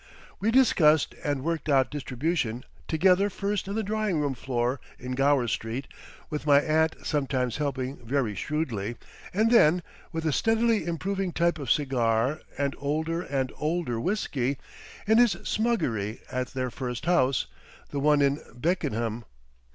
We discussed and worked out distribution together first in the drawing room floor in Gower Street with my aunt sometimes helping very shrewdly, and then, with a steadily improving type of cigar and older and older whisky, in his smuggery at their first house, the one in Beckenham.